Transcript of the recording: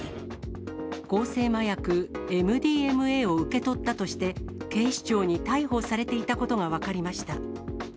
合成麻薬ＭＤＭＡを受け取ったとして、警視庁に逮捕されていたことが分かりました。